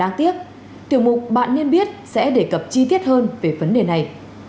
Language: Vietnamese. đáng tiếc tiểu mục bạn nên biết sẽ đề cập chi tiết hơn về vấn đề này